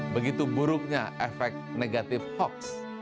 begitu buruknya efek negatif hoax